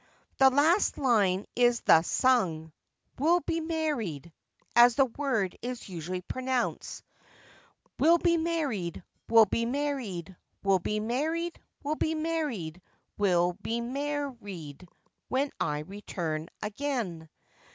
The last line is thus sung:—We'll be married, (as the word is usually pronounced), We'll be married, we'll be married, we'll be married, we'll be married, we'll be mar ri èd when I return again.